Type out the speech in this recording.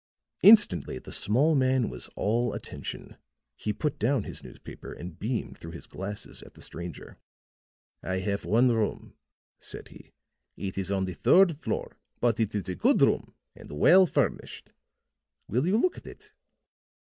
Instantly the small man was all attention. He put down his newspaper and beamed through his glasses at the stranger. "I have one room," said he. "It is on the third floor, but it is a good room and well furnished. Will you look at it?"